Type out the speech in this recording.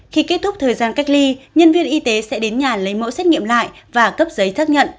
khi kết thúc thời gian cách ly nhân viên y tế sẽ đến nhà lấy mẫu xét nghiệm lại và cấp giấy xác nhận